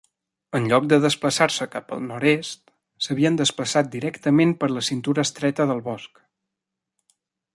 En lloc de desplaçar-se cap al nord-est, s'havien desplaçat directament per la cintura estreta del bosc.